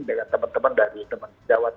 dengan teman teman dari teman sejawat